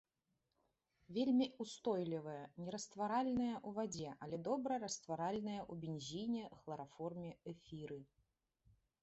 Вельмі ўстойлівыя, нерастваральныя ў вадзе, але добра растваральныя ў бензіне, хлараформе, эфіры.